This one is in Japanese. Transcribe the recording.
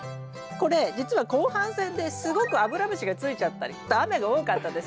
これじつは後半戦ですごくアブラムシがついちゃったり雨が多かったですよね。